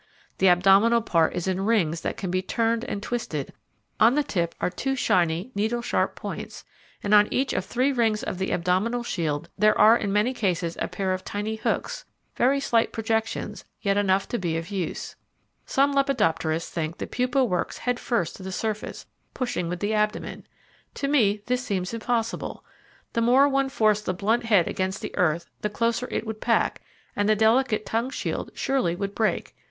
The abdominal part is in rings that can be turned and twisted; on the tip are two tiny, needlesharp points, and on each of three rings of the abdominal shield there are in many cases a pair of tiny hooks, very slight projections, yet enough to be of use. Some lepidopterists think the pupa works head first to the surface, pushing with the abdomen. To me this seems impossible. The more one forced the blunt head against the earth the closer it would pack, and the delicate tongue shield surely would break.